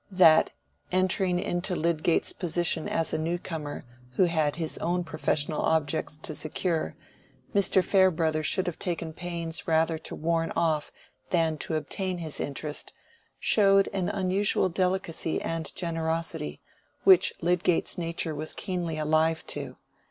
That, entering into Lydgate's position as a new comer who had his own professional objects to secure, Mr. Farebrother should have taken pains rather to warn off than to obtain his interest, showed an unusual delicacy and generosity, which Lydgate's nature was keenly alive to.